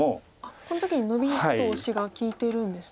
この時にノビとオシが利いてるんですね。